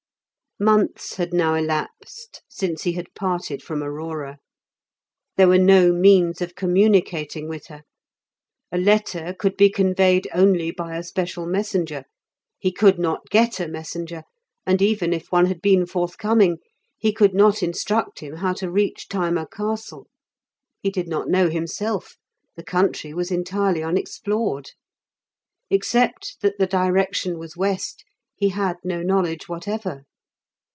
Months had now elapsed since he had parted from Aurora. There were no means of communicating with her. A letter could be conveyed only by a special messenger; he could not get a messenger, and even if one had been forthcoming, he could not instruct him how to reach Thyma Castle. He did not know himself; the country was entirely unexplored. Except that the direction was west, he had no knowledge whatever.